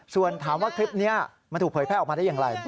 ส่วนถามว่าคลิปนี้มันถูกเผยแพร่ออกมาได้อย่างไร